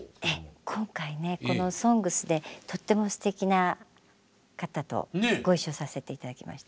今回ねこの「ＳＯＮＧＳ」でとってもすてきな方とご一緒させて頂きました。